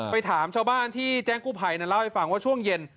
ถามชาวบ้านที่แจ้งกู้ภัยนั้นเล่าให้ฟังว่าช่วงเย็น